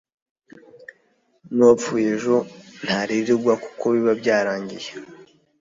nuwapfuye ejo ntaririrwa kuko biba byarangiye